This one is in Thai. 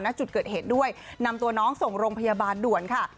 ณจุดเกิดเหตุด้วยนำตัวน้องส่งโรงพยาบาลด่วนค่ะ